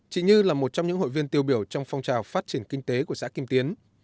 chị như là một trong những hội viên tiêu biểu trong phong trào phát triển kinh tế của xã kim tiến